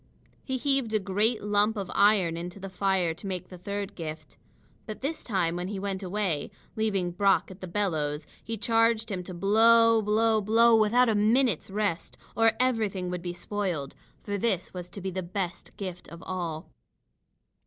He heaved a great lump of iron into the fire to make the third gift. But this time when he went away, leaving Brock at the bellows, he charged him to blow blow blow without a minute's rest, or everything would be spoiled. For this was to be the best gift of all.